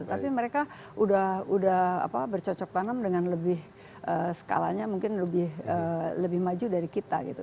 tapi mereka udah bercocok tanam dengan lebih skalanya mungkin lebih maju dari kita gitu